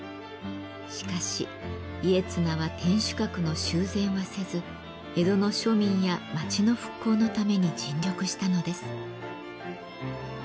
しかし家綱は天守閣の修繕はせず江戸の庶民や町の復興のために尽力したのです。